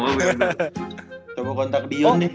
coba kontak dion deh